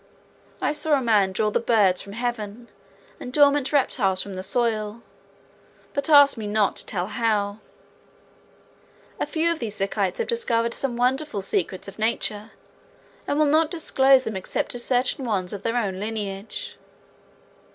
I saw a man draw the birds from heaven and dormant reptiles from the soil, but ask me not to tell how. A few of these Zikites have discovered some wonderful secrets of nature and will not disclose them except to certain ones of their own lineage.